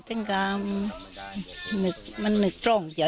ทำแต่ก็เรียกส่องไว้